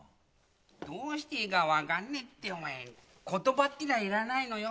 どうしていいか分かんねえって言葉ってのはいらないのよ。